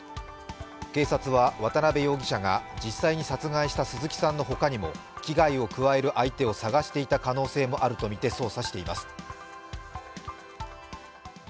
警察は、渡辺容疑者が実際に殺害した鈴木さんのほかにも、危害を加える相手を探していた可能性もあるとみて捜査しています。